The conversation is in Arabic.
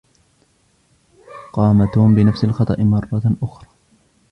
قام توم بنفس الخطأ مرة أخرى.